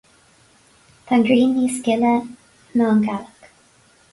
Tá an ghrian níos gile ná an ghealach,